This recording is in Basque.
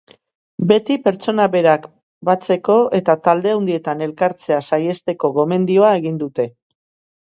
Beti pertsona berak batzeko eta talde handietan elkartzea saihesteko gomendioa egin dute.